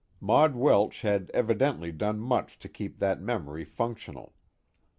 Maud Welsh had evidently done much to keep that memory functional.